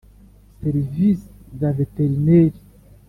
Serivisi za veterineri